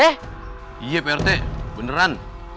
iya pak rt beneran